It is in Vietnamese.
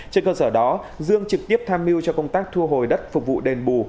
trên cơ sở đó dương trực tiếp tham mưu cho công tác thu hồi đất phục vụ đền bù